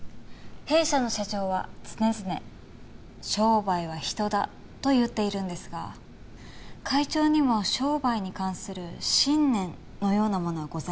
弊社の社長は常々「商売は人だ」と言っているんですが会長にも商売に関する信念のようなものはございますか？